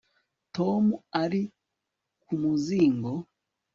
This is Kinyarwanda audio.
Tom ari ku muzingo